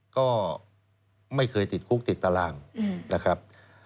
ก็ไม่เคยติดคุกติดตารางนะครับ